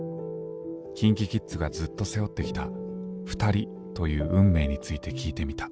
ＫｉｎＫｉＫｉｄｓがずっと背負ってきた「ふたり」という運命について聞いてみた。